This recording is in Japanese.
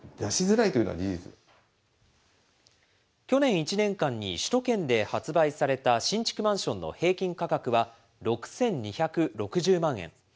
去年１年間に首都圏で発売された、新築マンションの平均価格は６２６０万円。